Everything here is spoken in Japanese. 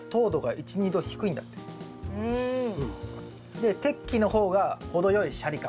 で適期の方が程よいシャリ感。